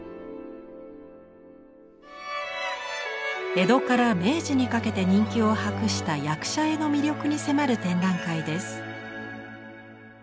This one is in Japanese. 江戸から明治にかけて人気を博した役者絵の魅力に迫る展覧会です。